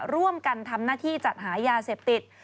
ร่วมกันทำหน้าที่จัดหายาเสพติด